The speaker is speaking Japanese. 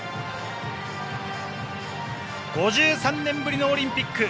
５３年ぶりのオリンピック。